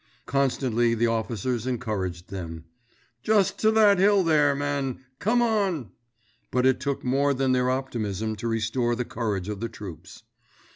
Constantly the officers encouraged them—"Just to that hill there, men! Come on!" but it took more than their optimism to restore the courage of the troops.